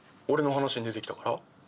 俺の話に出てきたから？